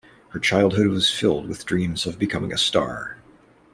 Her childhood was filled of dreams of becoming a star.